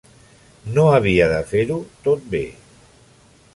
No havia de fer-ho tot bé.